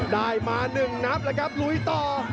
ดายมานึกนับอะครับลุยต่อ